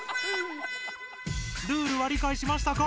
ルールはりかいしましたか？